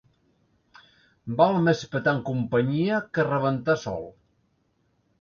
Val més petar en companyia que rebentar sol.